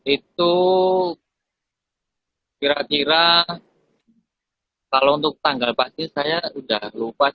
itu kira kira kalau untuk tanggal pasti saya sudah lupa sih